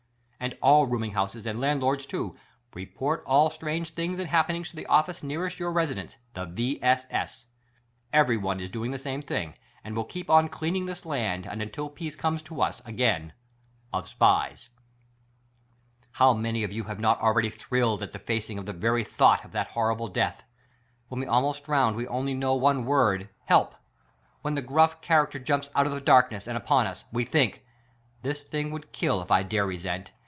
And all rooming houses and landlords too : Report all strange things and happen ings to the office nearest your residence — the V. S. S. ! Every one is doing the same thing— and will keep on cleaning this land, and until peace comes to us again, of ^SPIES I How many of us have not already thrilled at the facing of the very thought of that horrible death? When we almost drown we only knov\^ one word: Help! .When the gruff character jumps out of the darkness and upon us, we think : This thing would kill if I dare resent.